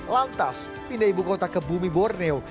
lantas pindah ibu kota ke bumi borneo